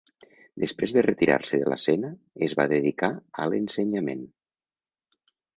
Després de retirar-se de l'escena es va dedicar a l'ensenyament.